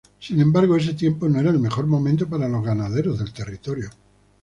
Sin embargo, ese tiempo no era el mejor momento para los ganaderos del territorio.